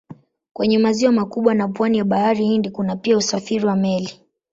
Kwenye maziwa makubwa na pwani ya Bahari Hindi kuna pia usafiri wa meli.